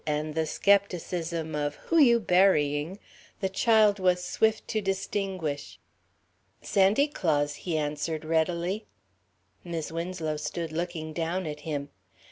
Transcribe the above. and the skepticism of "Who you burying?" the child was swift to distinguish. "Sandy Claus," he answered readily. Mis' Winslow stood looking down at him.